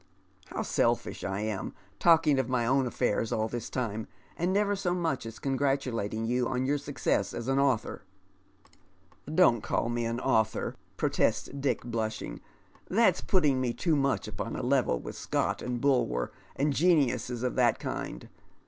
Uow selfish I am, Th^ Wanderer's jRetwm. 115 talking of my own affairs all this time, arid never so much aa congratulating you on your success as an author !"" Don't call me an author," protests Dick, blushing. •' That> putting me too much upon a level with Scott and Bulwer, and geniuses of that kind.